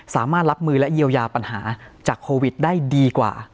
สามารถรับมือและเยียวยาปัญหาจากโควิดได้ดีกว่า